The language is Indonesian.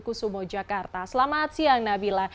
kusumo jakarta selamat siang nabila